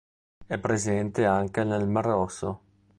È presente anche nel mar Rosso.